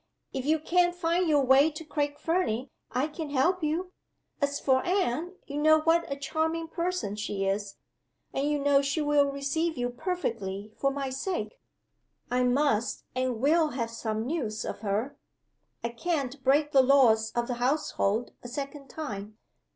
If you can't find your way to Craig Fernie, I can help you. As for Anne, you know what a charming person she is, and you know she will receive you perfectly, for my sake. I must and will have some news of her. I can't break the laws of the household a second time.